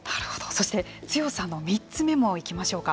そして強さの３つ目もいきましょうか。